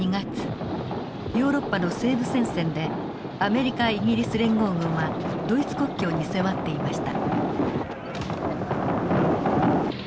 ヨーロッパの西部戦線でアメリカイギリス連合軍はドイツ国境に迫っていました。